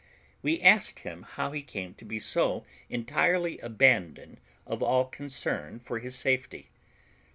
We asked him how he came to be so entirely abandoned of all concern for his safety?